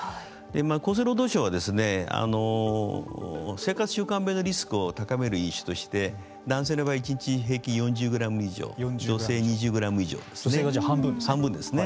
厚生労働省は生活習慣病のリスクを高める因子として男性の場合は１日平均４０グラム以上女性２０グラム以上ですね。